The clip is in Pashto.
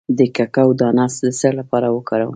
د کوکو دانه د څه لپاره وکاروم؟